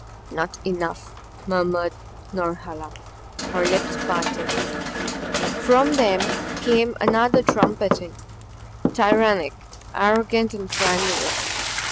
"Not enough!" murmured Norhala. Her lips parted; from them came another trumpeting tyrannic, arrogant and clangorous.